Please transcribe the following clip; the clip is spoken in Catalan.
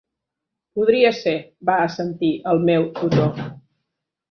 "Podria ser", va assentir el meu tutor.